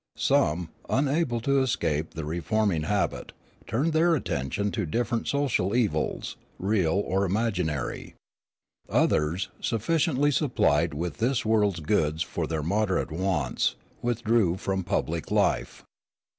Some, unable to escape the reforming habit, turned their attention to different social evils, real or imaginary. Others, sufficiently supplied with this worlds goods for their moderate wants, withdrew from public life.